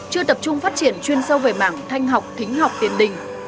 chưa tập trung phát triển chuyên sâu về mảng thanh học thính học tiền đình